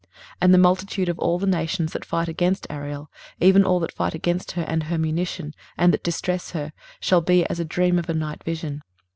23:029:007 And the multitude of all the nations that fight against Ariel, even all that fight against her and her munition, and that distress her, shall be as a dream of a night vision.